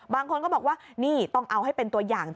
บางคนก็บอกว่านี่ต้องเอาให้เป็นตัวอย่าง